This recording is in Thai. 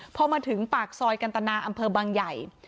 พอมาถึงปากซอยกันตนาอำเภอบางใหญ่